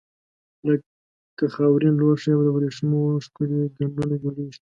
لکه خاورین لوښي او له وریښمو ښکلي ګنډونه جوړیږي.